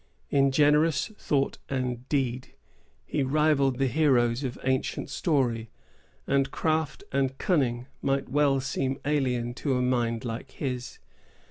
In generous thought and deed, he rivalled the heroes of ancient story; and craft and cunning might well seem alien to a mind like his.